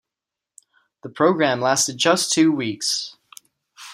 The programme lasted just two weeks.